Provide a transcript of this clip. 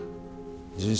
人生